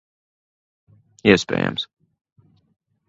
Iespējams.